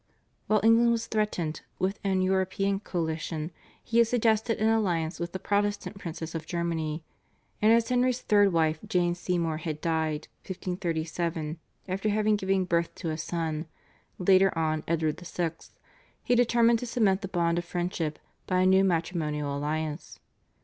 While England was threatened with an European coalition he had suggested an alliance with the Protestant princes of Germany, and as Henry's third wife Jane Seymour had died (1537), after having given birth to a son (later on Edward VI.), he determined to cement the bond of friendship by a new matrimonial alliance.